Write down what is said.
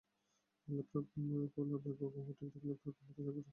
Laptop cooler বায়ুপ্রবাহ ঠিক রেখে ল্যাপটপের তাপমাত্রা স্বাভাবিক রাখতে সাহায্য করে।